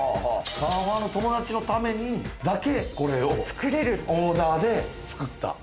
サーファーの友達のためにだけこれをオーダーで作った。